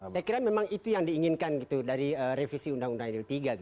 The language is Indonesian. saya kira memang itu yang diinginkan gitu dari revisi undang undang idul tiga